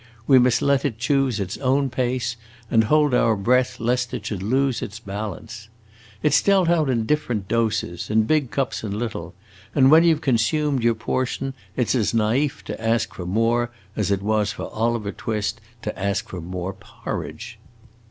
We must let it choose its own pace, and hold our breath lest it should lose its balance. It 's dealt out in different doses, in big cups and little, and when you have consumed your portion it 's as naif to ask for more as it was for Oliver Twist to ask for more porridge.